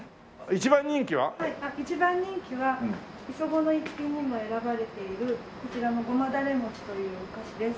一番人気は磯子の逸品にも選ばれているこちらのごまだれ餅というお菓子です。